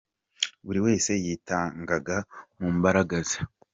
Buri wese yitangaga mu mbaraga ze.